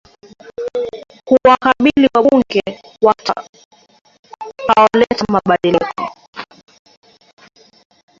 kuwabadili wabunge watakaoleta mabadiliko